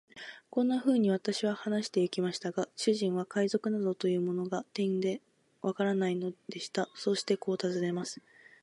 こんなふうに私は話してゆきましたが、主人は海賊などというものが、てんでわからないのでした。そしてこう尋ねます。